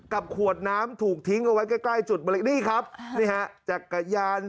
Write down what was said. กับขวดน้ำถูกทิ้งไว้ใกล้จุดนี่ครับจักรยาน